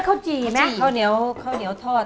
ข้าวเหนียวทอด